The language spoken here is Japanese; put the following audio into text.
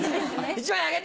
１枚あげて！